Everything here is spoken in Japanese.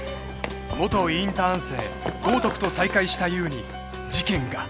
［元インターン生豪徳と再会した優に事件が］